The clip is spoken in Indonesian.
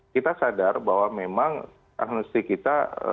kita sadar bahwa memang amnesty kita